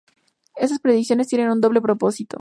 Estas predicciones tienen un doble propósito.